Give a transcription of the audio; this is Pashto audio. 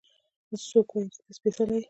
څوک وايي چې ته سپېڅلې يې؟